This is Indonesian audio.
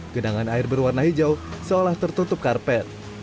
genangan air berwarna hijau seolah tertutup karpet